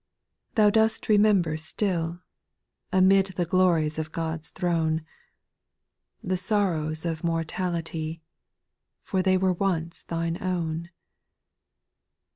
) 2. Thou dost remember still, amid The glories of God's throne, The sorrows of mortality. For they were once Thine own.